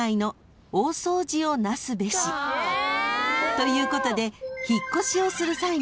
［ということで］